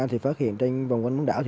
thì phát hiện trên vòng quanh bán đảo